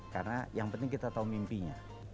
karena yang penting kita tahu mimpinya